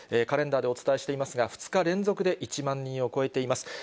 カレンダーでお伝えしていますが、２日連続で１万人を超えています。